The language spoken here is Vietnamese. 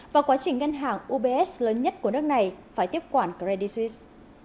và quá trình ngân hàng ubs lớn nhất của nước này phải tiếp quản credit suisse